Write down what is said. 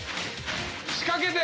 仕掛けて。